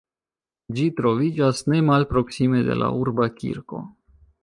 Ĝi troviĝas ne malproksime de la urba kirko.